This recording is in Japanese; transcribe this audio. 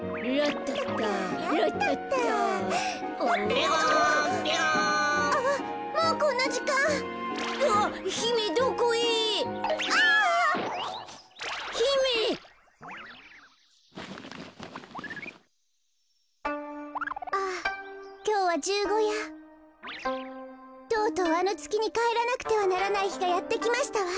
とうとうあのつきにかえらなくてはならないひがやってきましたわ。